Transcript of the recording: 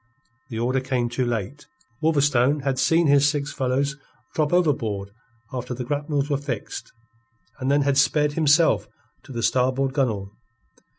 The order came too late. Wolverstone had seen his six fellows drop overboard after the grapnels were fixed, and then had sped, himself, to the starboard gunwale.